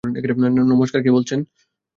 নমস্কার, কে বলছেন?